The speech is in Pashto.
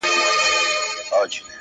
ما جوړ کړی دی دربار نوم مي امیر دی!!